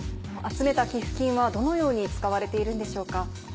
集めた寄付金はどのように使われているんでしょうか？